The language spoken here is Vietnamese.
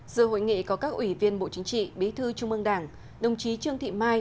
giữa hội nghị có các ủy viên bộ chính trị bí thư trung ương đảng đồng chí trương thị mai